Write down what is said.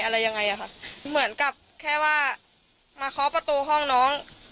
อะไรยังไงอ่ะค่ะเหมือนกับแค่ว่ามาเคาะประตูห้องน้อง